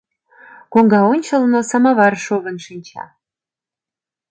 Коҥгаончылно самовар шовын шинча.